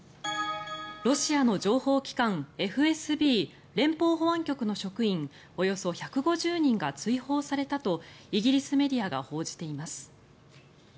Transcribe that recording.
ロシアの情報機関ＦＳＢ・連邦保安局の職員およそ１５０人が追放されたとイギリスメディアが報じています。